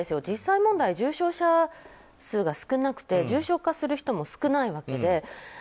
実際問題重症者数が少なくて重症化する人も少ないわけで。